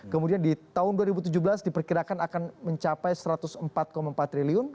kemudian di tahun dua ribu tujuh belas diperkirakan akan mencapai rp satu ratus empat empat triliun